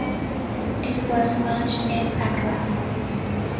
It was launched in Accra.